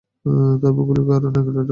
তারপর গুলি আর ন্যাকড়াটা নেবে।